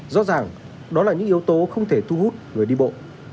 rõ ràng đó là những yếu tố không thể thu hút người đi bộ